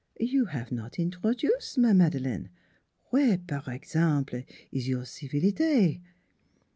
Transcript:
" You have not introduce, my Madeleine. Were, par example, ees your civilite?